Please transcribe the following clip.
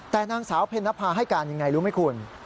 แต่นางสาวเพ็ญนภาให้การยังไงรู้ไหมคุณ